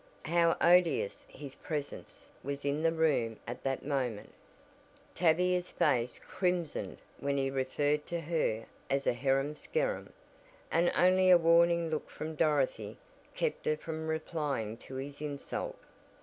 How odious his presence was in the room at that moment. Tavia's face crimsoned when he referred to her as a "harum scarum" and only a warning look from Dorothy kept her from replying to his insult.